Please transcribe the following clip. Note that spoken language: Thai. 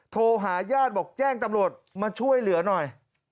โทรหาญาติบอกแจ้งตำรวจมาช่วยเหลือหน่อย